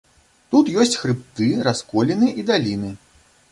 Тут ёсць хрыбты, расколіны і даліны.